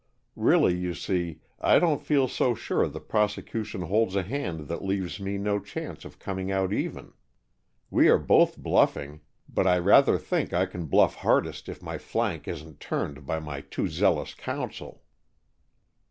Really you see, I don't feel so sure the prosecution holds a hand that leaves me no chance of coming out even. We are both bluffing, but I rather think I can bluff hardest if my flank isn't turned by my too zealous counsel."